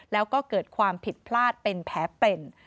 แล้วก็เกิดความผิดพลาดเป็นแผลเป็น